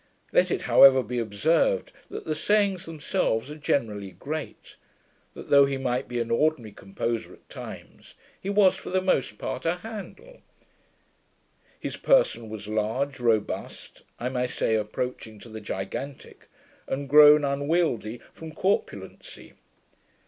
Let it however be observed, that the sayings themselves are generally great; that, though he might be an ordinary composer at times, he was for the most part a Handel. His person was large, robust, I may say approaching to the gigantick, and grown unwieldy from corpulency.